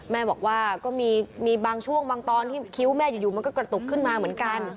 แม่บอกว่าก็มีบางช่วงบางตอนที่คิ้วแม่อยู่มันก็กระตุกขึ้นมาเหมือนกัน